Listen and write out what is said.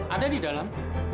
ada di dalam